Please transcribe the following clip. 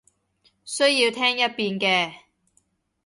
需要聽一遍嘅